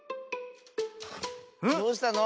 どうしたの？